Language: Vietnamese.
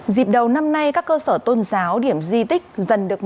dịp đầu năm nay các cơ sở tôn giáo điểm di tích dần được mở